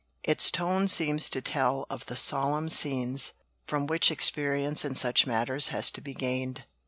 Its tone seems to tell of the solemn scenes from which experience in such matters has to be gained.